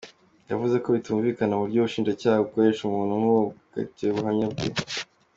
Yavuze ko bitumvikana uburyo ubushinjacyaha bukoresha umuntu nk’uwo bukakira ubuhamya bwe.